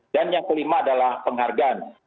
dan yang kelima adalah penghargaan